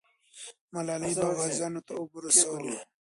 ملالۍ به غازیانو ته اوبه رسولې.